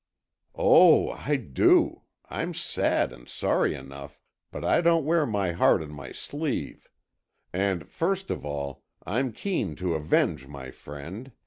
"Oh, I do. I'm sad and sorry enough, but I don't wear my heart on my sleeve. And first of all, I'm keen to avenge my friend.